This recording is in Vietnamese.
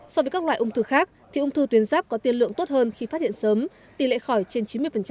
so với các loại ung thư khác thì ung thư tuyến giáp có tiên lượng tốt hơn khi phát hiện sớm tỷ lệ khỏi trên chín mươi